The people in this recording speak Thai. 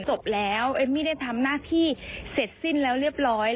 จบแล้วเอมมี่ได้ทำหน้าที่เสร็จสิ้นแล้วเรียบร้อย